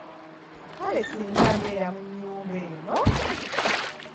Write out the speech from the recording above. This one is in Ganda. Kale singa mbeera mu nnyumba eno!